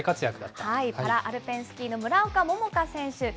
パラアルペンスキーの村岡桃佳選手。